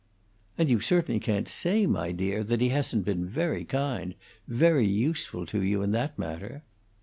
"And you certainly can't say, my dear, that he hasn't been very kind very useful to you, in that matter."